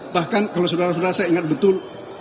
bahkan kalau saudara saudara saya ingat betul